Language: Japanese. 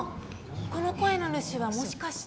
この声の主はもしかして。